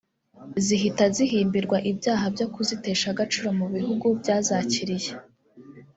zihita zihimbirwa ibyaha byo kuzitesha agaciro mu bihugu byazakiriye